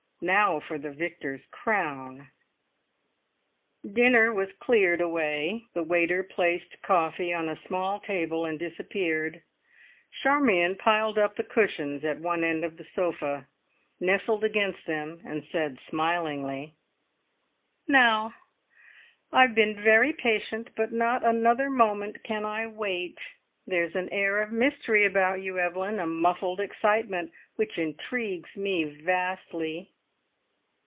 Now for the victor's crown! Dinner was cleared away. The waiter placed coffee on a small table and disappeared. Charmion piled up the cushions at one end of the sofa, nestled against them, and said smilingly: "Now! I've been very patient, but not another moment can I wait. There's an air of mystery about you, Evelyn, a muffled excitement which intrigues me vastly.